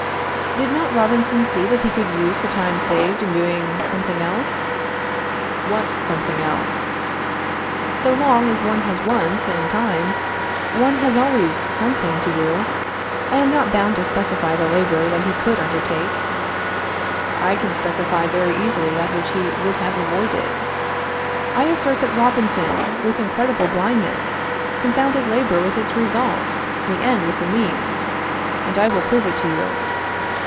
Did not Robinson see that he could use the time saved in doing something else? What 'something else'? So long as one has wants and time, one has always something to do. I am not bound to specify the labor that he could undertake. I can specify very easily that which he would have avoided. I assert, that Robinson, with incredible blindness, confounded labor with its result, the end with the means, and I will prove it to you.